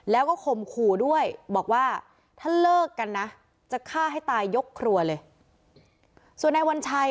แล้วก็ข่มขู่ด้วยบอกว่าถ้าเลิกกันนะจะฆ่าให้ตายยกครัวเลยส่วนนายวัญชัย